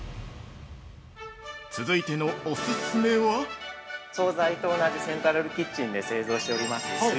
続いてのオススメは◆総菜と同じセントラルキッチンで製造しております